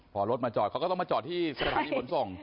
พอรถมาจอดเขาก็ต้องมาจอดที่สถานีขนส่ง